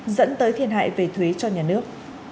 dẫn tới thiệt hại về thuế cho nhà nước